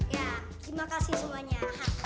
ya terima kasih semuanya